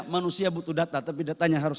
manusia butuh data tapi datanya harus